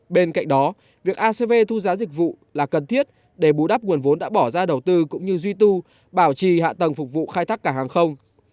bên cạnh đó việc acv thu giá dịch vụ là cần thiết để bù đắp nguồn vốn đã bỏ ra đầu tư cũng như duy tu bảo trì hạ tầng phục vụ khai thác cảng hàng không